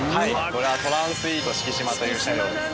これはトランスイート四季島という車両です。